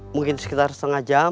mungkin sekitar setengah jam